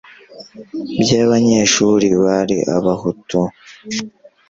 by abanyeshuri bari Abahutu